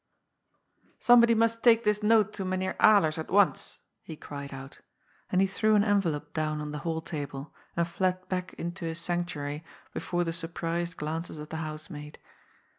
" Somebody must take this note to Mynheer Alers at once," he cried out. And he threw an envelope down on the hall table, and fled back into his sanctuary before the surprised glances of the housemaid.